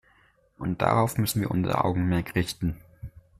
Und darauf müssen wir unser Augenmerk richten.